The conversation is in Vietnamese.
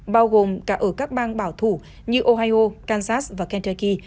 bao gồm cả ở các bang bảo thủ như ohio kansas và kenterki